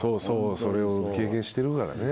それを経験してるからね。